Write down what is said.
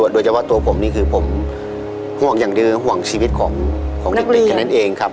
โดยเฉพาะตัวผมนี่คือผมห่วงอย่างดีห่วงชีวิตของเด็กแค่นั้นเองครับ